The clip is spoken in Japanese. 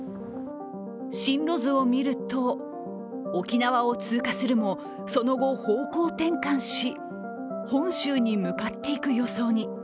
進路図を見ると沖縄を通過するもその後、方向転換し本州に向かっていく予想に。